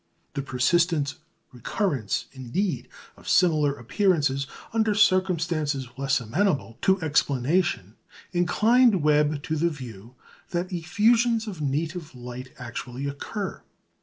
The persistent recurrence, indeed, of similar appearances under circumstances less amenable to explanation inclined Webb to the view that effusions of native light actually occur.